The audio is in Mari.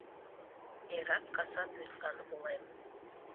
Эрат-касат вӱдлан волем